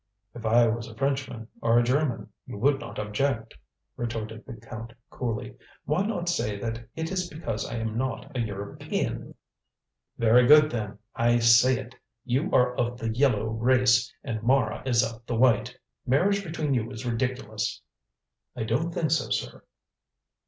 "If I was a Frenchman, or a German, you would not object!" retorted the Count coolly. "Why not say that it is because I am not a European!" "Very good then, I say it. You are of the yellow race, and Mara is of the white. Marriage between you is ridiculous." "I don't think so, sir."